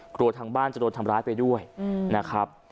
กลัวทางบ้านจะโดนทำร้ายไปด้วยนะครับ